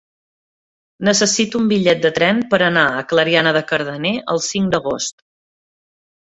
Necessito un bitllet de tren per anar a Clariana de Cardener el cinc d'agost.